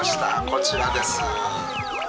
こちらです。